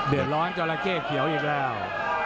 เดือดร้อนจราเข้เขียวอีกแล้ว